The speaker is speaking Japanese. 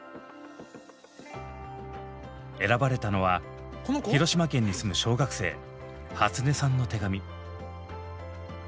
選ばれたのは広島県に住む小学生はつねさんの手紙。